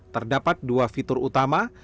terdapat dua fitur utama